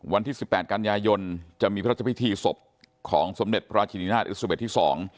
วันที่๑๘กันยายนจะมีพระเจ้าพิธีศพของสมเด็จพระราชินินาศอิสระวิทย์ที่๒